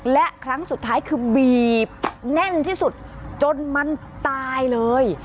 และครั้งสุดท้ายคือบีบแน่นที่สุดจนมันตายเลย